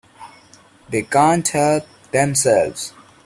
They can't help themselves.